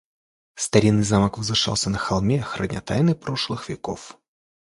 Старинный замок возвышался на холме, храня тайны прошлых веков.